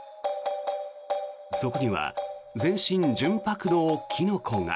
そこには全身純白のキノコが。